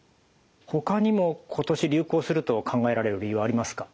ほかにも今年流行すると考えられる理由はありますか？